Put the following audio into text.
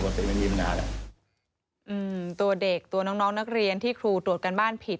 สุดท้ายครูตรวจการบ้านผิด